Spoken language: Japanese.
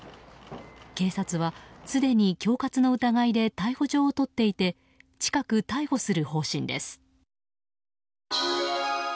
警察はすでに恐喝の疑いで逮捕状を取っていて近く逮捕する方針です。